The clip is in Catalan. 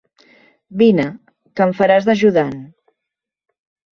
Vine, que em faràs d'ajudant.